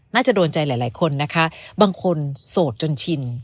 น่าจะโดนใจหลายคนนะคะบางคนโสดจนชิน